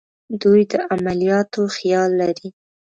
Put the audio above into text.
دوی د عملیاتو خیال لري.